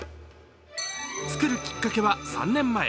作るきっかけは３年前。